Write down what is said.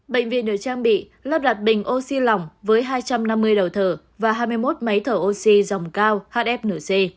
bệnh viện được trang bị lắp đặt bình oxy lỏng với hai trăm năm mươi đầu thở và hai mươi một máy thở oxy dòng cao hfnc